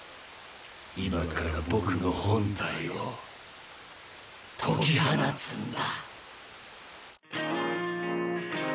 今から僕の本体を解き放つんだ。